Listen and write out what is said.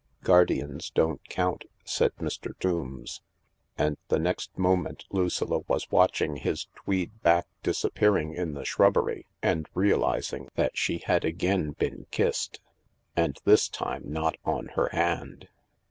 Guardians don't count," said Mr. Tombs, and the next moment Lucilla was watching his tweed back disappearing in the shrubbery and realising that she had again been kissed ; and this time not on her hand.